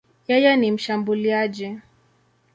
Yeye ni mshambuliaji.